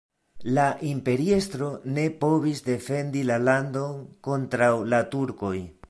La imperiestro ne povis defendi la landon kontraŭ la turkoj.